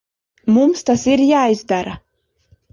Mums tas ir jāizdara.